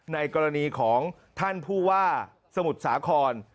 ในกรณีของท่านผู้ว่าสมุทรสาคร